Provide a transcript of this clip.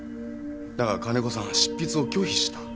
だが金子さんは執筆を拒否した。